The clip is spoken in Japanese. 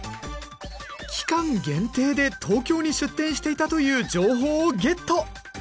期間限定で東京に出店していたという情報をゲット！